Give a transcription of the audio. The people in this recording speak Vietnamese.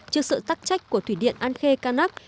trước sự tắc trách của thủy điện an khê can nak